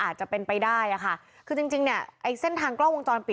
อาจจะเป็นไปได้อะค่ะคือจริงจริงเนี่ยไอ้เส้นทางกล้องวงจรปิด